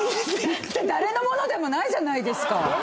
誰のものでもないじゃないですか。